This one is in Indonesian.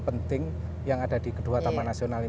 penting yang ada di kedua taman nasional ini